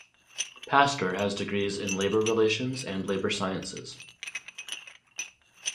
Pastor has degrees in Labour Relations and Labour Sciences.